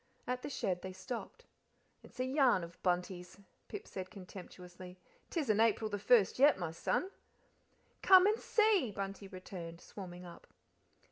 At the shed they stopped. "It's a yarn of Bunty's," Pip said contemptuously. "'Tisn't April the first yet, my son." "Come and see," Bunty returned, swarming up.